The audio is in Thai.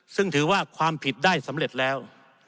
ซึ่งถือว่าความผิดได้สำเร็จแล้ว